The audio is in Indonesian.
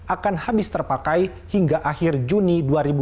akan habis terpakai hingga akhir juni dua ribu dua puluh